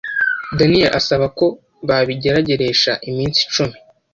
Daniyeli asaba ko babibagerageresha iminsi icumi